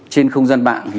trên không gian mạng